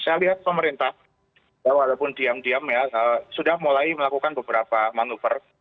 saya lihat pemerintah walaupun diam diam ya sudah mulai melakukan beberapa manuver